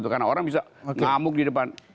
karena orang bisa ngamuk di depan